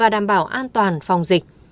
đảm bảo an toàn phòng dịch